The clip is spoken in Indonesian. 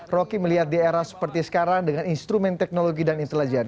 roky melihat di era seperti sekarang dengan instrumen teknologi dan intelijen